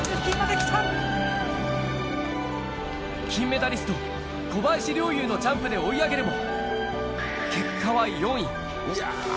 金メダリスト、小林陵侑のジャンプで追い上げるも、結果は４位。